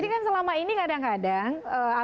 jadi kan selama ini kadang kadang